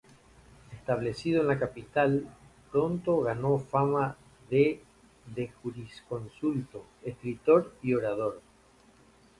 Establecido en la capital, pronto ganó fama de de jurisconsulto, escritor y orador.